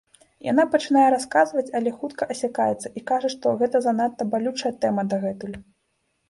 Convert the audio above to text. Яна пачынае расказваць, але хутка асякаецца і кажа, што гэта занадта балючая тэма дагэтуль.